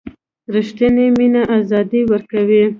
ریښتینې مینه آزادي ورکوي.